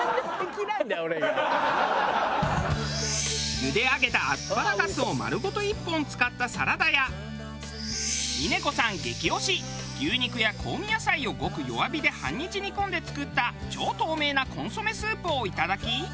茹で上げたアスパラガスを丸ごと１本使ったサラダや峰子さん激推し牛肉や香味野菜をごく弱火で半日煮込んで作った超透明なコンソメスープをいただき